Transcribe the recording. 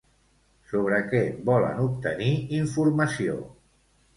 Sobre què volen obtenir informació?